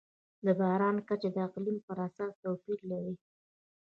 د باران کچه د اقلیم پر اساس توپیر لري.